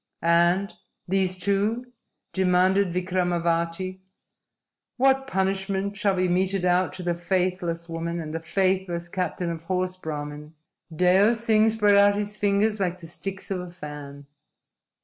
"And these two?" demanded Vikramavati. "What punishment shall be meted out to the faithless woman and the faithless captain of horse, Brahmin?" Deo Singh spread out his fingers like the sticks of a fan.